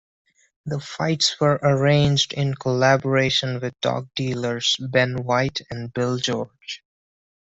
The fights were arranged in collaboration with dog dealers Ben White and Bill George.